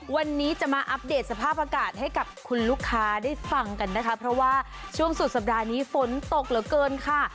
วันนี้จะมาอัปเดตสภาพอากาศให้กับคุณลูกค้าได้ฟังกันนะคะเพราะว่าช่วงสุดสัปดาห์นี้ฝนตกเหลือเกินค่ะ